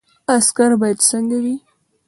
عسکر باید څنګه وي؟